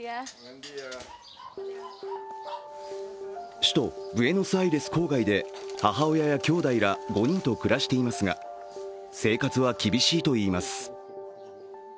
首都ブエノスアイレス郊外で母親やきょうだいら５人と暮らしていますが、生活は厳しいといいます。